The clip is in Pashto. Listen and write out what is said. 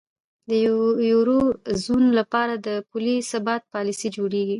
د یورو زون لپاره د پولي ثبات پالیسۍ جوړیږي.